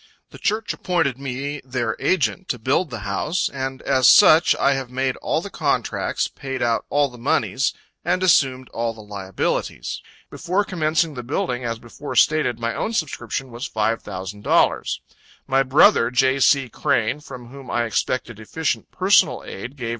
The Church appointed me their agent to build the house, and as such I have made all the contracts, paid out all the monies, and assumed all the liabilities. Before commencing the building, as before stated, my own subscription was...................................$5,000 My brother, J. C. Crane, from whom I expected efficient personal aid, gave..